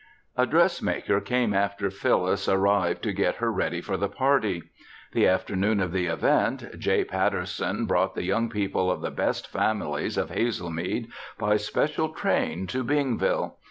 A dressmaker came after Phyllis arrived to get her ready for the party. The afternoon of the event, J. Patterson brought the young people of the best families of Hazelmead by special train to Bingville.